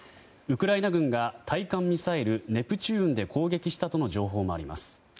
ウクライナ軍が対艦ミサイルネプチューンで攻撃したとの情報もあります。